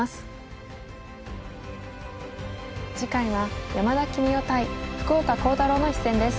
次回は山田規三生対福岡航太朗の一戦です。